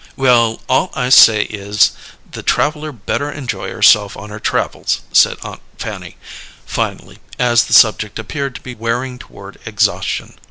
"Well, all I say is, the traveller better enjoy herself on her travels," said Aunt Fanny, finally, as the subject appeared to be wearing toward exhaustion.